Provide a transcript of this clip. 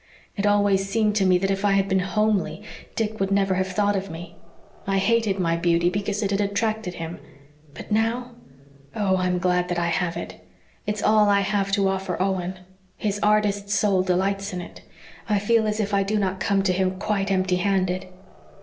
It always seemed to me that if I had been homely Dick would never have thought of me. I hated my beauty because it had attracted him, but now oh, I'm glad that I have it. It's all I have to offer Owen, his artist soul delights in it. I feel as if I do not come to him quite empty handed."